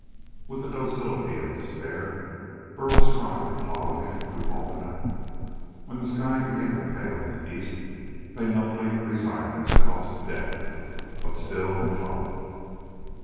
With the docility of despair, Burl's tribe followed him through all the night. When the sky began to pale in the east, they numbly resigned themselves to death. But still they followed.